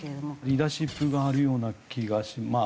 リーダーシップがあるような気がまあありますね。